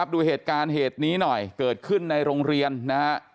ดูเหตุการณ์เหตุนี้หน่อยเกิดขึ้นในโรงเรียนนะฮะ